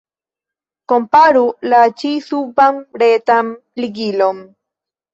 Komparu la ĉi-suban retan ligilon.